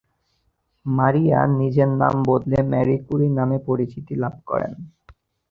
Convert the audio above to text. মারিয়া নিজের নাম বদলে মারি ক্যুরি নামে পরিচিতি লাভ করেন।